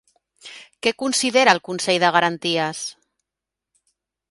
Què considera el Consell de Garanties?